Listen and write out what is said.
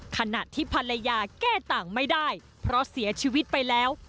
ขณะที่ภรรยาแก้ต่างไม่ได้เพราะเสียชีวิตไปแล้ว